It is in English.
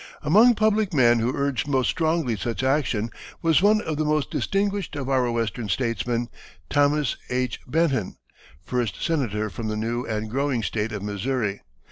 Among public men who urged most strongly such action was one of the most distinguished of our Western statesmen, Thomas H. Benton, first Senator from the new and growing State of Missouri.